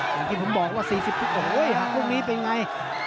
อย่างที่ผมบอกว่า๔๐๖หักตรงนี้เป็นยังไง